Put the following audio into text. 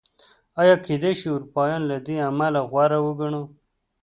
ایا کېدای شي اروپایان له دې امله غوره وګڼو؟